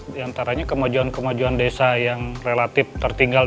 diantaranya kemajuan kemajuan desa yang relatif tertinggal